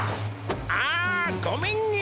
ああごめんね